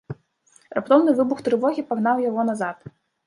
Раптоўны выбух трывогі пагнаў яго назад.